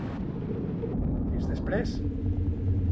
Fins després.